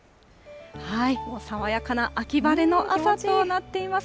爽やかな秋晴れの朝となっています。